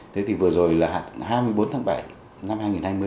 thế thì vừa rồi là hai mươi bốn tháng bảy năm hai nghìn hai mươi